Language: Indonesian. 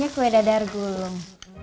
kue dadar gulung